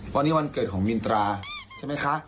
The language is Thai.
วันนี้วันเกิดของมินตราใช่ไหมคะ